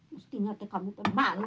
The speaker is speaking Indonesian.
mestinya te kamu tem malu